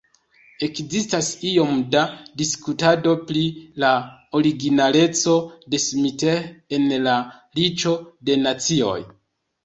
Ekzistas iom da diskutado pri la originaleco de Smith en "La Riĉo de Nacioj".